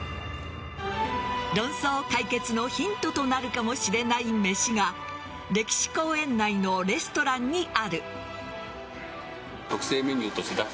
論争解決のヒントとなるかもしれない飯が歴史公園内のレストランにある。